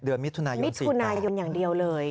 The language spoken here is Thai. เดือนมิถุนายน๔๘มิถุนายนอย่างเดียวเลย